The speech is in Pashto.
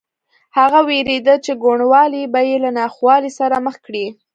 هغه وېرېده چې کوڼوالی به یې له ناخوالې سره مخ کړي